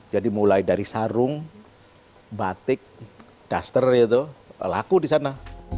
jadi mulai dari sarung batik duster laku di sana